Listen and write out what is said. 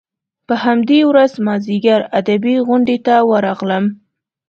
په همدې ورځ مازیګر ادبي غونډې ته ورغلم.